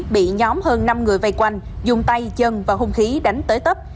bị nhóm hơn năm người vây quanh dùng tay chân và hung khí đánh tới tấp